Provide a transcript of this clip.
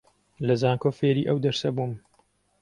لە زانکۆ فێری ئەو دەرسە بووم